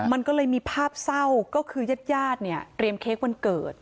มันก็เลยมีภาพเศร้าก็คือญาติญาติเนี่ยเตรียมเค้กวันเกิด